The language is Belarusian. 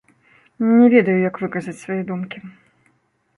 Не ведаю, як выказаць свае думкі.